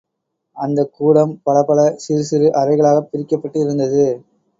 அந்தக் கூடம் பலப்பல சிறுசிறு அறைகளாகப் பிரிக்கப்பட்டிருந்தது.